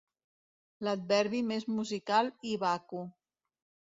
L'adverbi més musical i vacu.